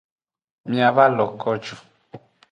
Mia va lo ko ju.